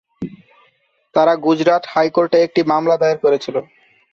তারা গুজরাট হাইকোর্টে একটি মামলা দায়ের করেছিল।